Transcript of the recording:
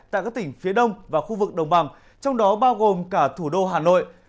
tại các tỉnh phía đông và khu vực đồng bằng trong đó bao gồm cả thủ đô hà nội